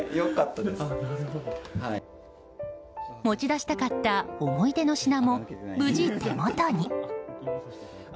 持ち出したかった思い出の品も無事、手元に。